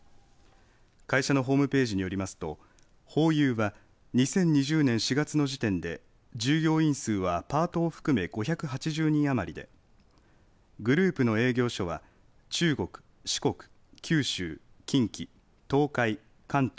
会社のホームページによりますとホーユーは２０２０年４月の時点で従業員数はパートを含め５８０人余りでグループの営業所は中国、四国、九州近畿、東海、関東